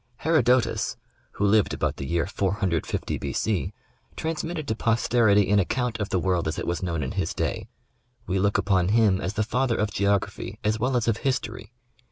Herodotus, who lived about the year 450 B. C, transmitted to posterity an account of the world as it was known in his day. We look upon him as the father of geography as well as of history.